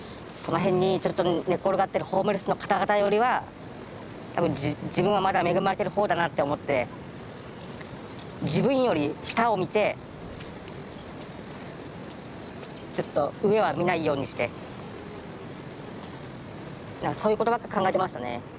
その辺にちょっと寝っ転がってるホームレスの方々よりは多分自分はまだ恵まれてる方だなって思って自分より下を見てちょっと上は見ないようにしてそういうことばっか考えてましたね。